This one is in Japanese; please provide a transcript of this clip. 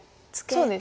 そうですね。